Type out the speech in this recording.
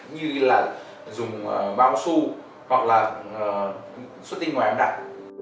như là dùng bao su hoặc là xuất tinh ngoài ám đạp